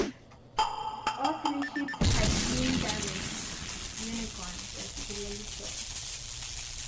All three ships had been damaged, "Unicorn" particularly so.